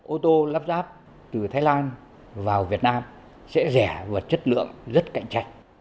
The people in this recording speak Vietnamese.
ô tô lắp ráp từ thái lan vào việt nam sẽ rẻ và chất lượng rất cạnh tranh